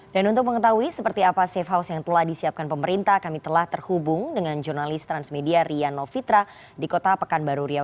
dan untuk mengetahui seperti apa safe house yang telah disiapkan pemerintah kami telah terhubung dengan jurnalis transmedia rian novitra di kota pekanbaru riau